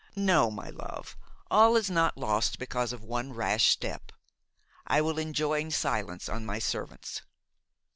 No, my love, all is not lost because of one rash step. I will enjoin silence on my servants."